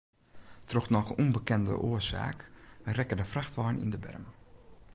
Troch noch ûnbekende oarsaak rekke de frachtwein yn de berm.